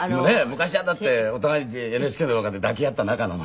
昔はだってお互いＮＨＫの廊下で抱き合った仲なのに。